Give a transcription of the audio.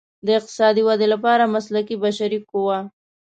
د اقتصادي ودې لپاره مسلکي بشري قوه.